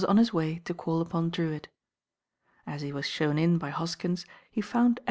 on his way to call "pon As he was shown in by Hoskins, he found Ed "R.